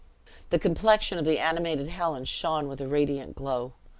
The complexion of the animated Helen shone with a radiant glow.